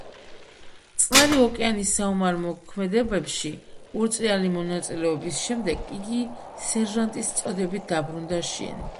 წყნარი ოკეანის საომარ მოქმედებებში ორწლიანი მონაწილეობის შემდეგ იგი სერჟანტის წოდებით დაბრუნდა შინ.